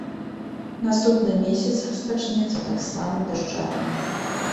Наступны месяц распачнецца таксама дажджамі.